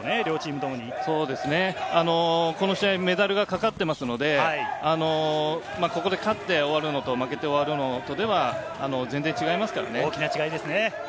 この試合、メダルが懸かっていますので、ここで勝って終わるのと負けて終わるのとでは全然違いますからね。